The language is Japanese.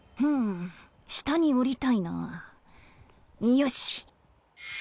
よし！